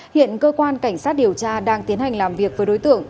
hiện cơ quan cảnh sát điều tra đang tiến hành làm việc với đối tượng